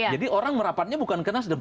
orang merapatnya bukan ke nasdem